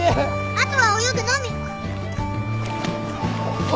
あとは泳ぐのみ！